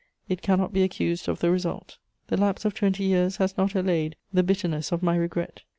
It cannot be accused of the result. "The lapse of twenty years has not allayed the bitterness of my regret!...